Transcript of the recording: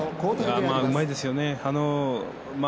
うまいですよね。